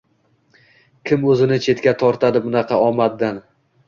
Kim o’zini chetga tortadi bunaqa omaddan?